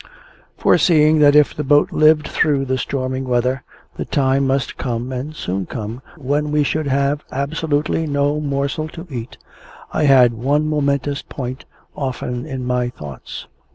Foreseeing that if the boat lived through the stormy weather, the time must come, and soon come, when we should have absolutely no morsel to eat, I had one momentous point often in my thoughts.